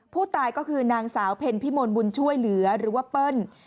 ผู้ตายก็คือนางสาวเพ็ญพิมลบุญช่วยเหลือหรือว่าเปิ้ล